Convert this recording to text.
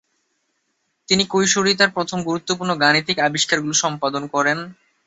তিনি কৈশোরেই তার প্রথম গুরুত্বপূর্ণ গাণিতিক আবিষ্কারগুলো সম্পাদন করেন।